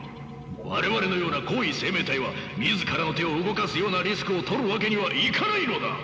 我々のような高位生命体は自らの手を動かすようなリスクをとるわけにはいかないのだ！